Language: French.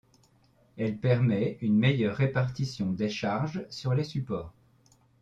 Elle permet une meilleure répartition des charges sur les supports.